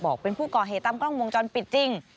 เป็นผู้ก่อเหตุตามกล้องวงจรปิดจริง